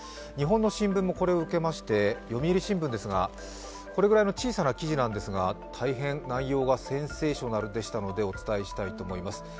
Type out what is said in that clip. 日本の新聞もこれを受けまして読売新聞ですが、これぐらいの小さな記事なんですが、大変内容がセンセーショナルでしたので、お伝えしたいと思います。